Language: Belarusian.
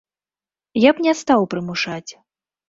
Я б не стаў прымушаць.